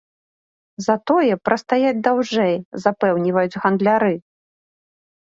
Затое прастаяць даўжэй, запэўніваюць гандляры.